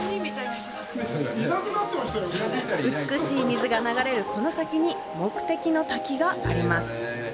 美しい水が流れるこの先に目的の滝があります。